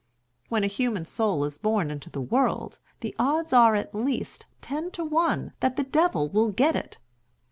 When a human soul is born into the world, the odds are at least ten to one that the Devil will get it.